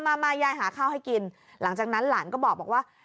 มามายายหาข้าวให้กินหลังจากนั้นหลานก็บอกว่า